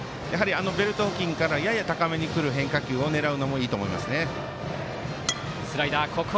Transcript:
ベルト付近から高めにくる変化球を狙うのもいいと思いますね。